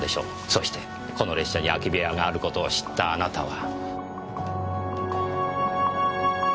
そしてこの列車に空き部屋がある事を知ったあなたは。